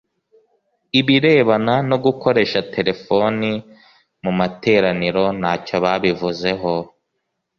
ibirebana no gukoresha telefoni mu materaniro ntacyo babivuzeho